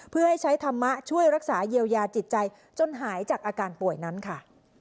เพื่อให้ใช้ธรรมะช่วยรักษาเยียวยาจิตใจจนหายจากอาการป่วยนั้นค่ะ